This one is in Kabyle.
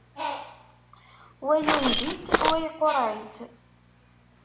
Wa yundi-tt, wa iquṛeɛ-tt.